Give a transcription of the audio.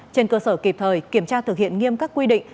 trên cơ sở kịp thời kiểm tra thực hiện nghiêm các quy định